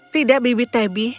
tidak bibit tebi